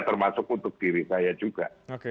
termasuk untuk diri saya juga